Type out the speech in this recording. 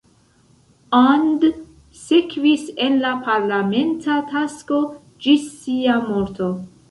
And sekvis en la parlamenta tasko ĝis sia morto.